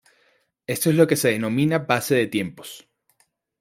Esto es lo que se denomina base de tiempos.